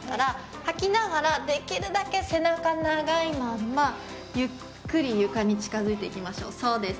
吐きながらできるだけ背中長いまんまゆっくり床に近づいていきましょうそうです